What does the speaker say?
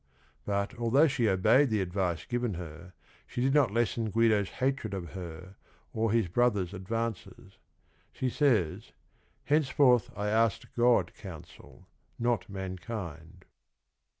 But although she obeyed the advice given her she did not lessen Guido's hatred of her or his brother's advances. She says :" Hence forth I asked God counsel not mankind."